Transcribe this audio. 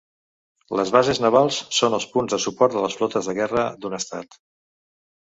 Les bases navals són els punts de suport de les flotes de guerra d'un estat.